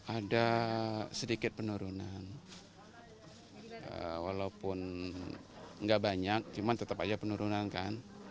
ada sedikit penurunan walaupun nggak banyak cuman tetap aja penurunan kan